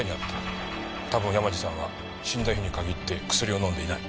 多分山路さんは死んだ日に限って薬を飲んでいない。